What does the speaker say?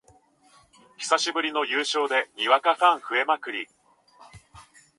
久しぶりの優勝でにわかファン増えまくり